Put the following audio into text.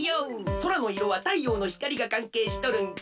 空のいろは太陽の光がかんけいしとるんじゃ。